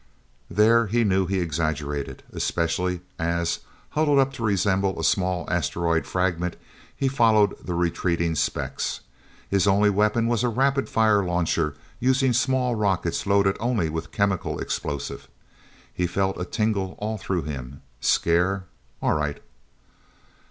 There, he knew he exaggerated especially as, huddled up to resemble a small asteroid fragment, he followed the retreating specks. His only weapon was a rapid fire launcher, using small rockets loaded only with chemical explosive. He felt a tingle all through him. Scare, all right.